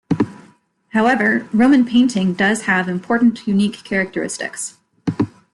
However, Roman painting does have important unique characteristics.